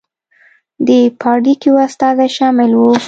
د پاړکیو استازي شامل وو.